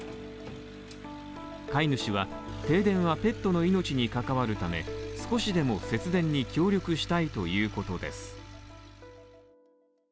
飼い主は停電はペットの命に関わるため少しでも節電に協力したいということです。